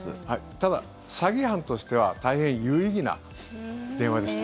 ただ、詐欺犯としては大変有意義な電話でした。